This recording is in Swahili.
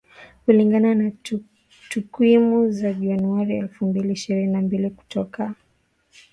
Kulingana na takwimu za Januari elfu mbili ishirni na mbili kutoka